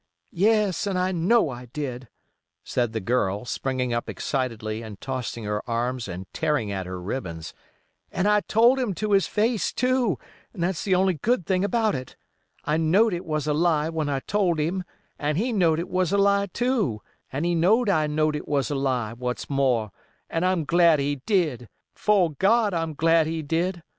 "Yes, and I know I did," said the girl, springing up excitedly and tossing her arms and tearing at her ribbons. "An' I told him to his face too, and that's the only good thing about it. I knowed it was a lie when I told him, and he knowed it was a lie too, and he knowed I knowed it was a lie—what's more—and I'm glad he did—fo' God I'm glad he did.